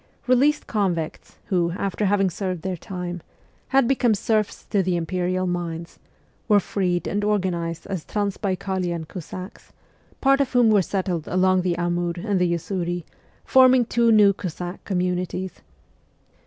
Released convicts who, after having served their time, had become serfs to the Imperial mines, were freed and organized as Transbaikalian Cossacks, part of whom were settled along the Amur and the Usuri, forming two new Cossack communities.